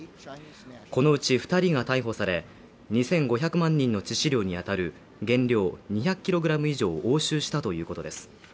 このうち２人が逮捕され、２５００万人の致死量に当たる原料２００ｋｇ以上を押収したということです。